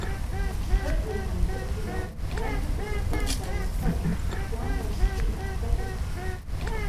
Currently in "The Beano", Grandpa is a "Funsize Funnie" drawn by Steve Beckett.